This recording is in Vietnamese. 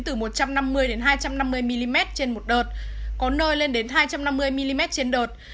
từ một trăm năm mươi hai trăm năm mươi mm trên một đợt có nơi lên đến hai trăm năm mươi mm trên đợt